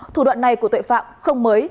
thủ đoạn này của tội phạm không mới